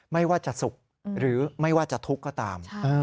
ไม่ว่าจะสุขหรือไม่ว่าจะทุกข์ก็ตาม